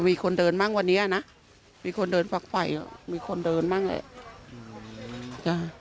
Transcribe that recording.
มีคนเดินบ้างวันนี้นะมีคนเดินฟักไฟมีคนเดินบ้างแหละ